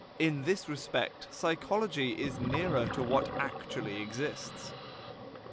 In this respect psychology is nearer to what actually exists.